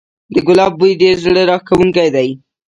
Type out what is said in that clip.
د ګلاب بوی ډیر زړه راښکونکی دی